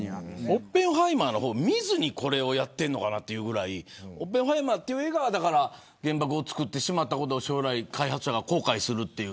オッペンハイマーの方を見ずにこれをやってるのかなと思うぐらいオッペンハマーっていう映画は原爆を作ってしまったことを将来、開発者が後悔するという。